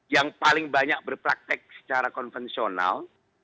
yang paling banyak berpraktek secara konvensional